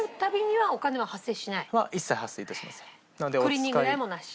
クリーニング代もなし？